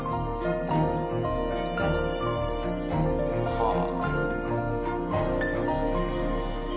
はあ。